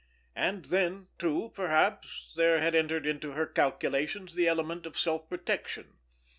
And then, too, perhaps, there had entered into her calculations the element of self protection.